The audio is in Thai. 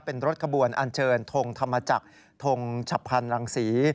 เป็นรถขบวนอันเจินธรรมจักรธรรมชัพพรรณรังศรี